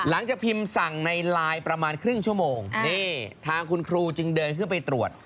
จะพิมพ์สั่งในไลน์ประมาณครึ่งชั่วโมงนี่ทางคุณครูจึงเดินขึ้นไปตรวจ